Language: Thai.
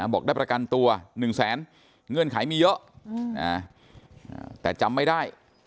บอกได้ประกันตัว๑แสนเงื่อนไขมีเยอะแต่จำไม่ได้